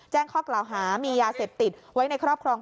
แจ้งข้อกล่าวหามียาเสพติดไว้ในครอบครอง